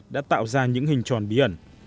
đã tạo ra những hình tròn bí ẩn